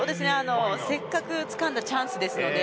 せっかくつかんだチャンスですので。